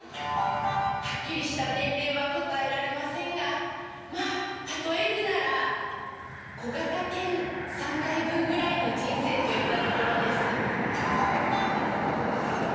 はっきりした年齢は答えられませんがまあ例えるなら小型犬３回分ぐらいの人生といったところです」。